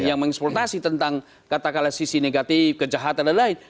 yang menginsploitasi tentang katakanlah sisi negatif kejahatan dan lain lain